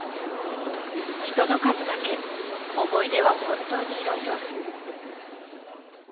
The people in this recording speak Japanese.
人の数だけ思い出は本当にいろいろ。